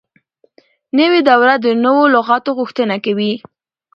نوې دوره د نوو لغاتو غوښتنه کوي.